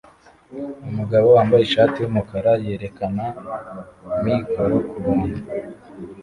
Umugabo wambaye ishati yumukara yerekana mikoro kubantu